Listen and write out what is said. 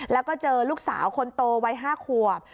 แล้วก็เจอลูกสาวคนโตวัย๕ขวบ